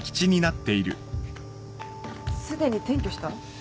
すでに転居した？